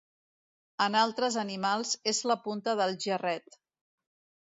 En altres animals, és la punta del jarret.